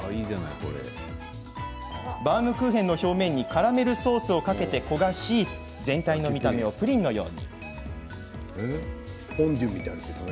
バウムクーヘンの表面にカラメルソースをかけて焦がし全体の見た目をプリンのように。